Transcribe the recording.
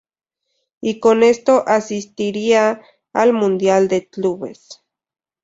Y con esto asistiría al Mundial de Clubes.